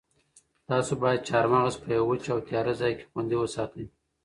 تاسو باید چهارمغز په یوه وچ او تیاره ځای کې خوندي وساتئ.